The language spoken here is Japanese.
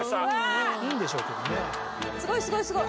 すごいすごいすごい。